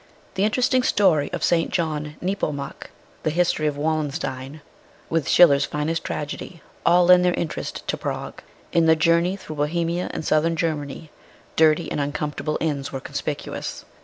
The interesting story of St. John Nepomuk, the history of Wallenstein, with Schiller's finest tragedy, all lend their interest to Prague. In the journey through Bohemia and southern Germany, dirty and uncom fortable inns were conspicuous.